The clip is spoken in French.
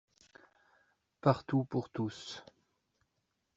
Partout pour tous